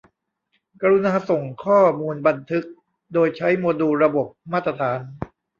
กรุณาส่งข้อมูลบันทึกโดยใช้โมดูลระบบมาตรฐาน